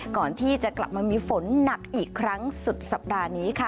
ก่อนที่จะกลับมามีฝนหนักอีกครั้งสุดสัปดาห์นี้ค่ะ